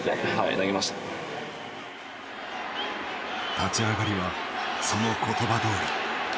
立ち上がりはその言葉どおり。